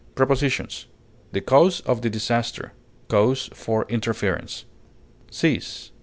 Prepositions: The cause of the disaster; cause for interference. CEASE.